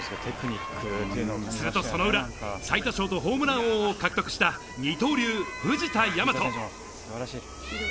すると、その裏最多勝とホームラン王を獲得した二刀流、藤田倭。